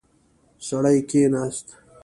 سړی کېناست.